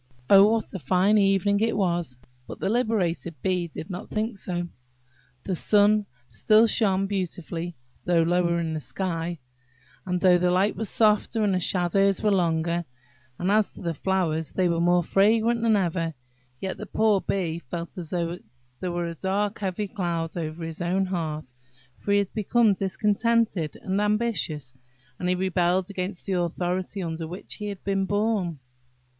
Oh, what a fine evening it was! But the liberated Bee did not think so. The sun still shone beautifully though lower in the sky, and though the light was softer, and the shadows were longer; and as to the flowers, they were more fragrant than ever; yet the poor Bee felt as if there were a dark heavy cloud over his own heart, for he had become discontented and ambitious, and he rebelled against the authority under which he had been born.